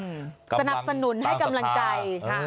สนับสนุนให้กำลังใจ